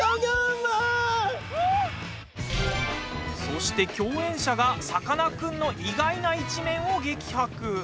そして共演者がさかなクンの意外な一面を激白。